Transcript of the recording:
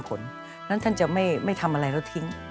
ดังนั้นท่านจะไม่ทำอะไรแล้วทิ้ง